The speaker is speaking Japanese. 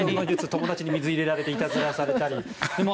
友達に水を入れられていたずらされたり。